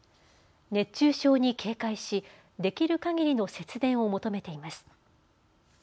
熱中症に警戒し、できるかぎりの節電を求めています。